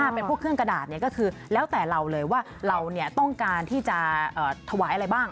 เป็นพวกเครื่องกระดาษก็คือแล้วแต่เราเลยว่าเราต้องการที่จะถวายอะไรบ้าง